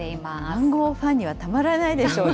マンゴーファンにはたまらないでしょうね。